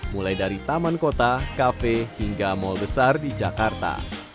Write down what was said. mulai dari taman kota kafe hingga mal besar di jakarta